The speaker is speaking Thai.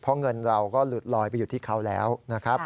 เพราะเงินเราก็หลุดลอยไปอยู่ที่เขาแล้วนะครับ